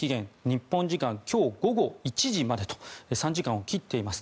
日本時間今日午後１時までと３時間を切っています。